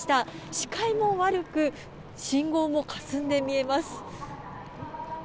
視界も悪く信号もかすんで見えます。